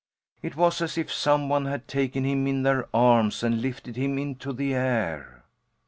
It was as if some one had taken him in their arms and lifted him into the air.